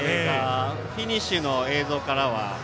フィニッシュの映像からは。